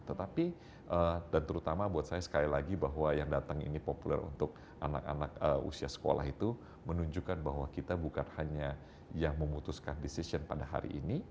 tetapi dan terutama buat saya sekali lagi bahwa yang datang ini populer untuk anak anak usia sekolah itu menunjukkan bahwa kita bukan hanya yang memutuskan decision pada hari ini